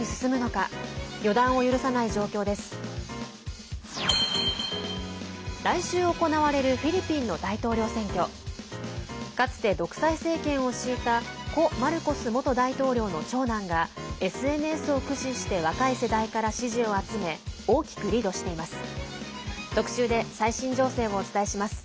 かつて独裁政権を敷いた故マルコス元大統領の長男がＳＮＳを駆使して若い世代から支持を集め大きくリードしています。